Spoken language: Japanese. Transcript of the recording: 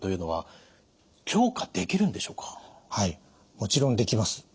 もちろんできます。